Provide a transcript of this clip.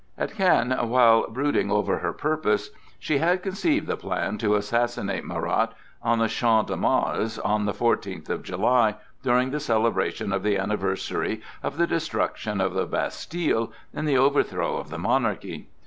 At Caen, while brooding over her purpose, she had conceived the plan to assassinate Marat on the Champ de Mars, on the fourteenth of July, during the celebration of the anniversary of the destruction of the Bastile and the overthrow of the monarchy.